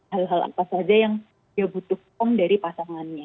hal hal apa saja yang dia butuhkan dari pasangannya